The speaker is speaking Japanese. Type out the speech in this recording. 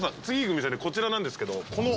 次行く店こちらなんですけど。